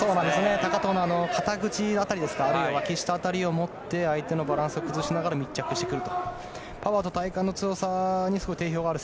高藤の肩口辺りあるいはわき下辺りを持って相手のバランスを崩しながら密着してくる。